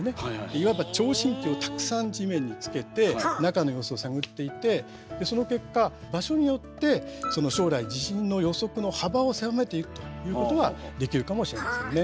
いわば聴診器をたくさん地面につけて中の様子を探っていてその結果場所によって将来地震の予測の幅を狭めていくということはできるかもしれませんね。